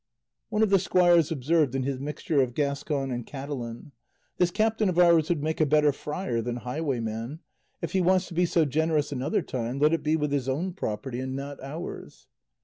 One of the squires observed in his mixture of Gascon and Catalan, "This captain of ours would make a better friar than highwayman; if he wants to be so generous another time, let it be with his own property and not ours."